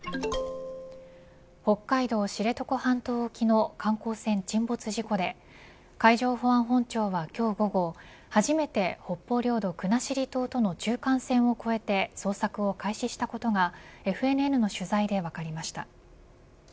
北海道知床半島沖の観光船沈没事故で海上保安本庁は今日午後初めて北方領土国後島との中間線を越えて捜索を開始したことがＦＮＮの取材で分かりました。